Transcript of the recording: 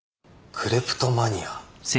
クレプトマニア？